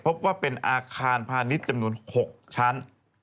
พบว่าเป็นอาคารพาณิชย์จำนวน๖ชั้น